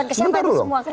itu juga ke siapa itu semua